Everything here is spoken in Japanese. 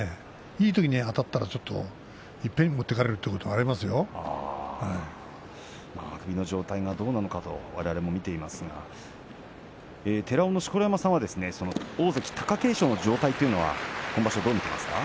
いいときにあたったらちょっといっぺんに持っていかれるという首の状態がどうなのかとわれわれも見ていますけれども寺尾の錣山さんは大関貴景勝の状況はどういうふうに見てますか。